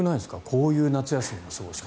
こういう夏休みの過ごし方。